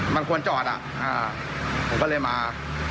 มันควรจอดผมก็เลยมา